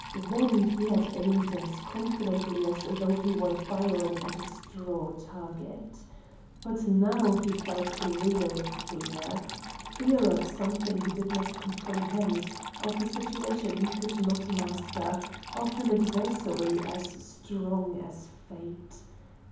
Then he had aimed as confidently as though he were firing at a straw target. But now he felt real fear: fear of something he did not comprehend, of a situation he could not master, of an adversary as strong as Fate.